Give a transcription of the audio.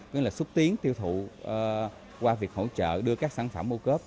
với là xúc tiến tiêu thụ qua việc hỗ trợ đưa các sản phẩm ô cốt